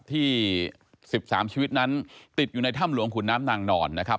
ที่๑๓ชีวิตนั้นติดอยู่ในถ้ำหลวงขุนน้ำนางนอนนะครับ